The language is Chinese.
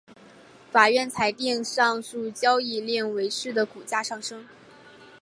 法院裁定上述交易令伟仕的股价上升。